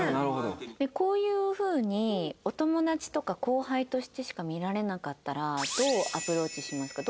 こういうふうにお友達とか後輩としてしか見られなかったらどうアプローチしますか？